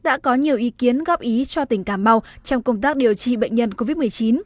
đã có nhiều ý kiến góp ý cho tỉnh cà mau trong công tác điều trị bệnh nhân covid một mươi chín